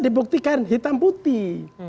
dibuktikan hitam putih